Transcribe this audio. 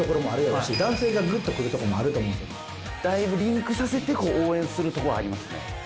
だいぶリンクさせて応援するとこはありますね。